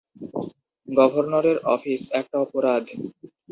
গভর্নরের অফিস, একটা অপরাধ।